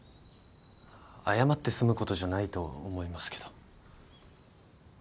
謝って済むことじゃないと思いますけど。